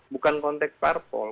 bukan konteks parpol